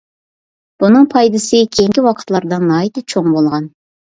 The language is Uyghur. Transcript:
بۇنىڭ پايدىسى كېيىنكى ۋاقىتلاردا ناھايىتى چوڭ بولغان.